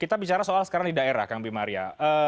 kita bicara soal sekarang di daerah kang bima arya